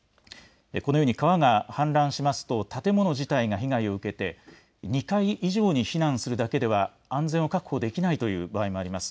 このように川が氾濫しますと建物自体が被害を受けて２階以上に避難するだけでは安全を確保できないという場合もあります。